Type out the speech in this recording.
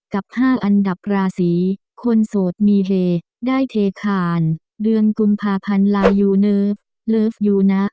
กับ๕อันดับราศีคนโสดมีเฮได้เทคานเดือนกุมภาพันธ์ลายูเนิร์ฟเลิฟยูนะ